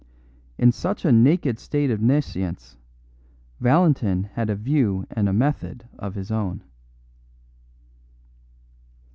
In such a naked state of nescience, Valentin had a view and a method of his own.